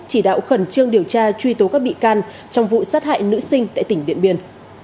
chỉ đạo khẩn trương điều tra truy tố các bị can trong vụ sát hại nữ sinh tại tỉnh điện biên